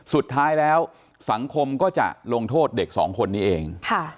สุดท้ายแล้วสังคมก็จะลงโทษเด็กสองคนนี้เอง